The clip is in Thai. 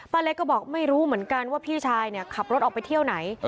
เล็กก็บอกไม่รู้เหมือนกันว่าพี่ชายเนี่ยขับรถออกไปเที่ยวไหน